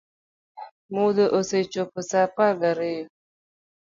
Mudho osechopo saa apar ga riyo